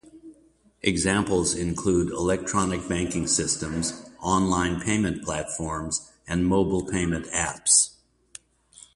Examples include electronic banking systems, online payment platforms, and mobile payment apps.